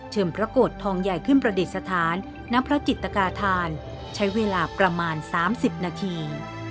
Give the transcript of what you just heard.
เชิมพระโกศทองใหญ่ขึ้นประเด็นสถานณพระจิตตากาธานใช้เวลาประมาณสามสิบนาที